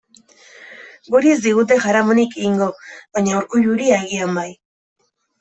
Guri ez digute jaramonik egingo, baina Urkulluri agian bai.